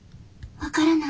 わからない。